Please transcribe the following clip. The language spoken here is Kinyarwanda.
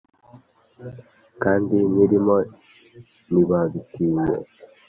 kandi nyirimo ntibabitinye